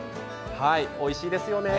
おいしいですよね。